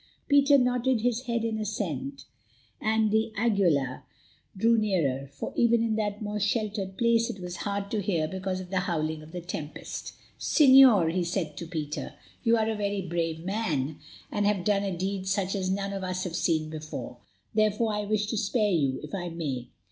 Peter nodded his head in assent, and d'Aguilar drew nearer, for even in that more sheltered place it was hard to hear because of the howling of the tempest. "Señor," he said to Peter, "you are a very brave man, and have done a deed such as none of us have seen before; therefore, I wish to spare you if I may.